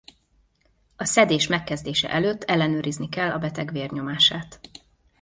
A szedés megkezdése előtt ellenőrizni kell a beteg vérnyomását.